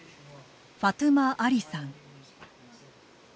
ファトゥマ・アリさん。